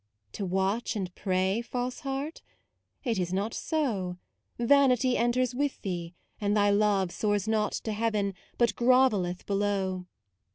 " To watch and pray, false heart? it is not so: Vanity enters with thee, and thy love Soars not to heaven, but grovelleth below.